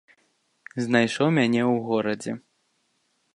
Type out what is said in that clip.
Знайшоў мяне ў горадзе.